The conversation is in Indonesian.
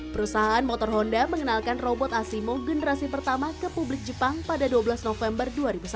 perusahaan motor honda mengenalkan robot asimo generasi pertama ke publik jepang pada dua belas november dua ribu satu